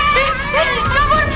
eh eh eh kabur